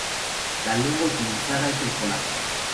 La lengua utilizada es el polaco.